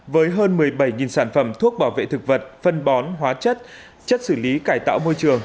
với hơn một mươi bảy sản phẩm thuốc bảo vệ thực vật phân bón hóa chất chất xử lý cải tạo môi trường